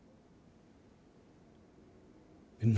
何？